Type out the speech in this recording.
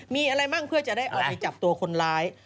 มีอะไรมั่งเพื่อจะได้ออกไปจับตัวคนร้าย